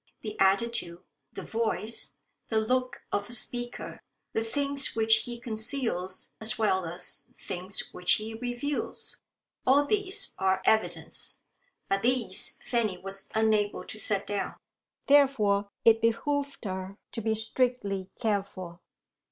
The attitude, the voice, the look of a speaker, the things which he conceals as well as the things which he reveals all these are evidence. But these Fanny was unable to set down. Therefore it behoved her to be strictly careful.